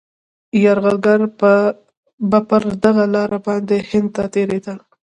یرغلګر به پر دغه لاره باندي هند ته تېرېدل.